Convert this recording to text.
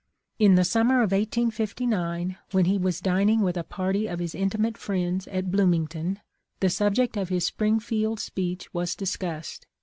In the summer of 1859, when he was dining with a party of his intimate friends at Bloomington, the subject of his Springfield speech was discussed.